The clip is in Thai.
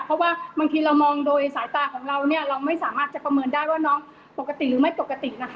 เพราะว่าบางทีเรามองโดยสายตาของเราเนี่ยเราไม่สามารถจะประเมินได้ว่าน้องปกติหรือไม่ปกตินะคะ